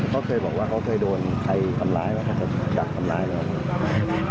พ่อเคยบอกว่าเค้าเคยโดนใครกำลังว่าเขาดักกำลังหรือเปล่า